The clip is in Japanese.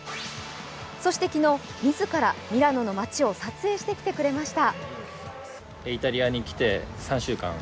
そして昨日、自らミラノの街を撮影してきてくれました。